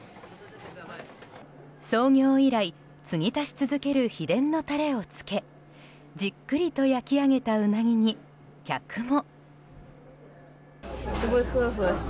創業以来つぎ足し続ける秘伝のタレをつけじっくりと焼き上げたウナギに客も。